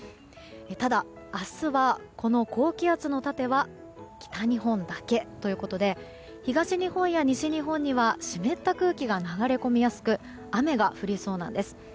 ただ、明日はこの高気圧の盾は北日本だけということで東日本や西日本には湿った空気が流れ込みやすく雨が降りそうなんです。